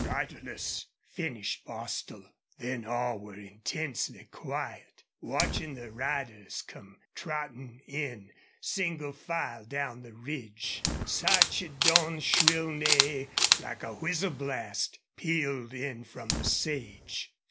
"RIDERLESS!" finished Bostil. Then all were intensely quiet, watching the racers come trotting in single file down the ridge. Sarchedon's shrill neigh, like a whistle blast, pealed in from the sage.